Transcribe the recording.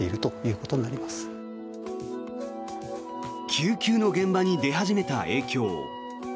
救急の現場に出始めた影響。